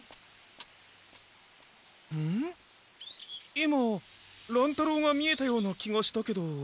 今乱太郎が見えたような気がしたけど。